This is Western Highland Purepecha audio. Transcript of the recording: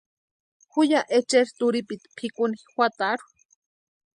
Ju ya echeri turhipiti pʼikuni juatarhu.